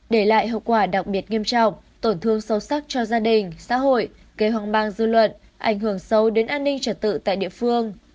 để lại hậu quả đặc biệt nghiêm trọng tổn thương sâu sắc cho gia đình xã hội gây hoang mang dư luận ảnh hưởng sâu đến an ninh trật tự tại địa phương